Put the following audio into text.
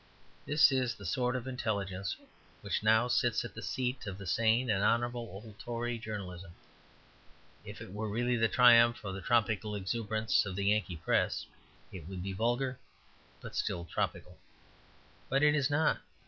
This is the sort of intelligence which now sits in the seat of the sane and honourable old Tory journalism. If it were really the triumph of the tropical exuberance of the Yankee press, it would be vulgar, but still tropical. But it is not.